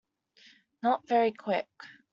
Not very quick.